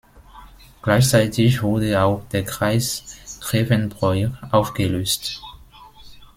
Gleichzeitig wurde auch der Kreis Grevenbroich aufgelöst.